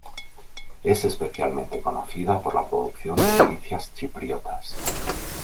Es especialmente conocida por la producción de delicias chipriotas.